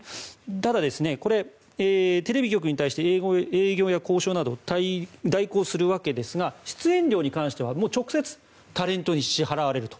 ただ、テレビ局に対して営業や交渉などを代行するわけですが出演料に関しては直接、タレントに支払われると。